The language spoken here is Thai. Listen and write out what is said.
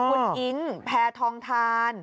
อ๋ออ๋อคุณอิ๊งแพทองทาน